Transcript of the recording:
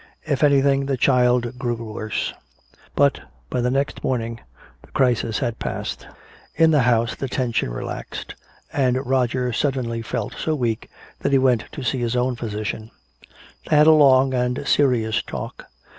If anything, the child grew worse. But by the next morning the crisis had passed. In the house the tension relaxed, and Roger suddenly felt so weak that he went to see his own physician. They had a long and serious talk.